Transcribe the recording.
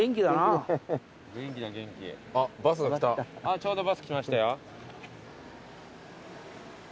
ちょうどバス来ましたよ。